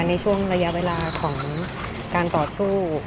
ในช่วงระยะเวลาของการต่อสู้